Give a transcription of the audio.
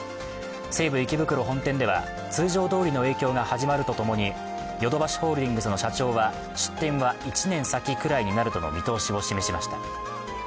西武池袋本店では通常どおりの営業が始まるとともに、ヨドバシホールディングスの社長は出店は１年先くらいになるとの見通しを示しました。